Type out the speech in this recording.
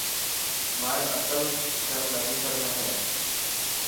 مايو اصل گھر نبصر ۾ هي.